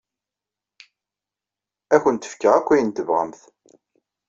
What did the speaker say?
Ad awent-fkeɣ akk ayen tebɣamt.